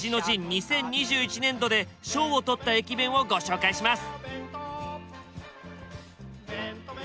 ２０２１年度で賞を取った駅弁をご紹介します。